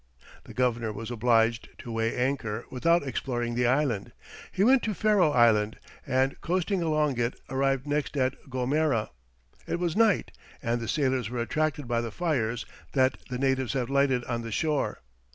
The governor was obliged to weigh anchor without exploring the island; he went to Ferro Island, and coasting along it arrived next at Gomera; it was night, and the sailors were attracted by the fires that the natives had lighted on the shore.